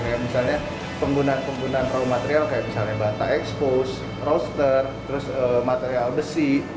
kayak misalnya penggunaan penggunaan raw material kayak misalnya banta expose roaster terus material besi